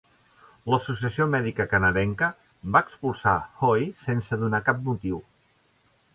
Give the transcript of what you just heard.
L'associació mèdica canadenca va expulsar Hoey, sense donar cap motiu.